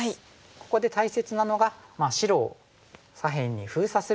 ここで大切なのが白を左辺に封鎖するということですね。